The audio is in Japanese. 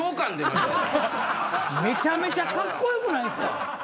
めちゃめちゃカッコよくないですか？